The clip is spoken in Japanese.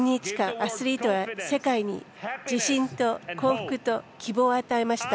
アスリートは、世界に自信と幸福と希望を与えました。